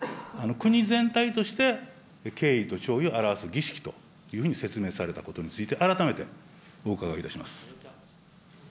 国全体として、敬意と弔意を表す儀式というふうに説明されたことについて、改めてお伺いいたします。